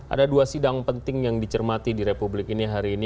ada dua sidang penting yang dicermati di republik ini hari ini